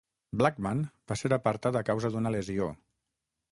Blackman va ser apartat a causa d'una lesió.